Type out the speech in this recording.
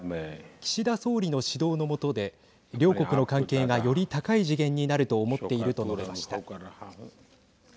岸田総理の指導の下で両国の関係が、より高い次元になると思っていると述べました。